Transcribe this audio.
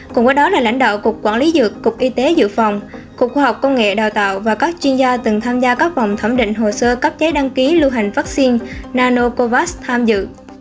cùng với đó là lãnh đạo cục quản lý dược cục y tế dự phòng cục khoa học công nghệ đào tạo và các chuyên gia từng tham gia các vòng thẩm định hồ sơ cấp giấy đăng ký lưu hành vaccine nanocovax tham dự